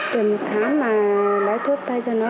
tuổi một tháng mà lấy thuốc tay cho nó